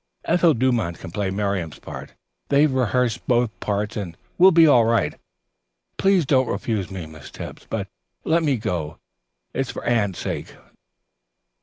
Ethel Dumont can play Miriam's part. They've rehearsed both parts, and will be all right. Please don't refuse me, Miss Tebbs, but let me go. It's for Anne's sake.